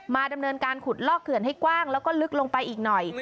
ดำเนินการขุดลอกเขื่อนให้กว้างแล้วก็ลึกลงไปอีกหน่อย